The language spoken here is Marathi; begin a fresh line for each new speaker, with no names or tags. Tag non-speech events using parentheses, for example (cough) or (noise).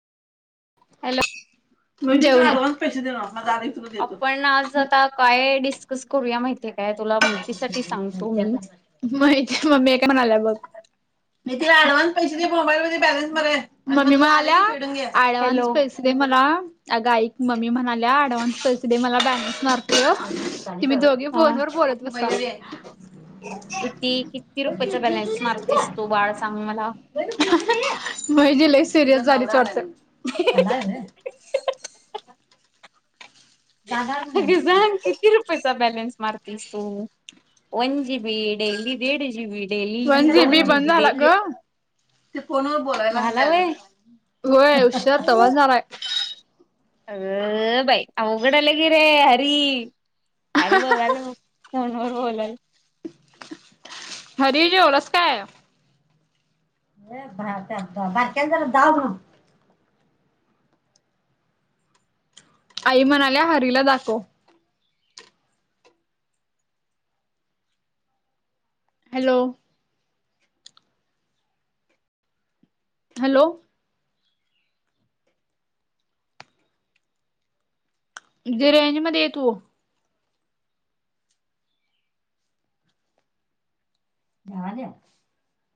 एलो
(unintelligible)
आपण आज आता काय डिस्कस करूया माहिते का? तुला माहितीसाठी सांगतो मी
माहिते, मम्मी ही काय म्हणाल्या बघ ए तिला अँडव्हान्स पैसे दे मोबाईल मध्ये बॅलन्स माराय, मम्मी म्हणाल्या फेडून घे ऍडवान्स
हॅलो
पैसे दे मला अग, ऐक मम्मी म्हणाल्या अडव्हान्स पैसे दे मला बॅलेन्स मारतो (unintelligible) मी दोघी
अ
फोन वर बोलत बसा
किती, किती रुपयचा बॅलेन्स मारतेस तू बाळ सांग मला?
म्हणजे लइ च सिरियस झालीस वाटत?
अग सांग किती रुप् पैचा बॅलेंस मारतीस तू, वन जि. बी., डेली दिड जी. बी.? डेली
वन
दोन जी.
बंद
बी.,
झाला
डेली
ग. ते फोनवर बोलायला
झाला व्हय
बॅलन्स मार, होय उश्शर (unintelligible) झालाय
अग बाई अवघड अला की रे हरी, हरी बघायला नुस फोनवर बोलल
हरी जेवलास काय? ए भार टाकतो, बारक्याला जरा दाब आई म्हणाल्या हरीला दाखव हॅलो. हॅलो गे रेंज मध्ये ये तु घ्याल्या